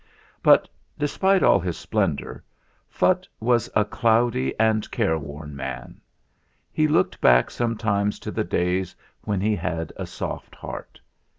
But, despite all his splendour, Phutt was a cloudy and careworn man. He looked back sometimes to the days when he had a soft heart.